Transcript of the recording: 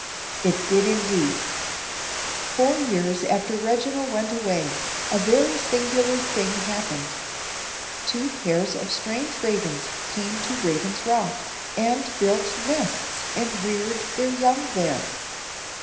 It did, indeed. Four years after Reginald went away, a very singular thing happened. Two pairs of strange Ravens came to Raven's Rock, and built nests and reared their young there.